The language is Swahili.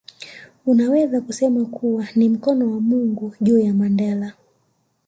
Unaweza kusema kuwa ni mkono wa Mungu juu ya Mandela